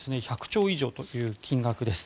１００兆以上という金額です。